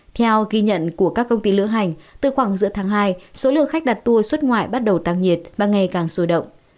theo ghi nhận của các công ty lữ hành từ khoảng giữa tháng hai số lượng khách đặt tour xuất ngoại bắt đầu tăng nhiệt và ngày càng sôi động